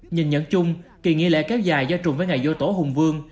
nhìn nhận chung kỳ nghi lễ kéo dài do trùng với ngày vô tổ hùng vương